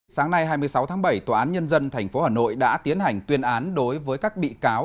sáng nay hai mươi sáu tháng bảy tòa án nhân dân tp hà nội đã tiến hành tuyên án đối với các bị cáo